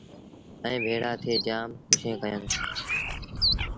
ائيٚݩ ڀيڙآ ٿئي جآم کُوشين ڪيآݩدوݩ